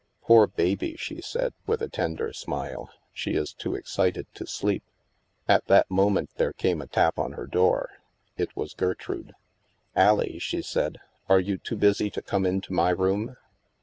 " Poor baby," she said, with a tender smile, " she is too excited to sleep." At that moment there came a tap on her door. It was Gertrude. " AUie," she said, " are you too busy to come into my room